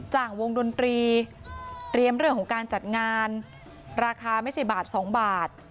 จากวงดนตรีเตรียมเรื่องของการจัดงานราคาไม่ใช่บาทสองบาท